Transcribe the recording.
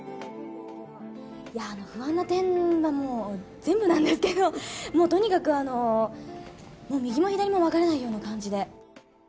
いやー、不安な点はもう、全部なんですけど、もうとにかく、もう右も左も分からないような感じで。